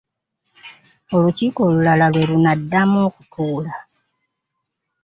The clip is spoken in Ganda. Olukiiko olulala lwe lunaddamu okutuula.